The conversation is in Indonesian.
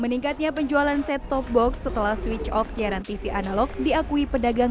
meningkatnya penjualan set top box setelah switch off siaran tv analog diakui pedagang